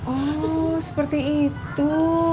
oh seperti itu